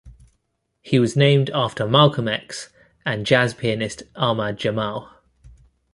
He was named after Malcolm X and jazz pianist Ahmad Jamal.